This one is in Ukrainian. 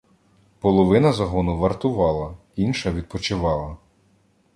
Половина загону вартувала, інша відпочивала.